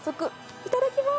いただきます。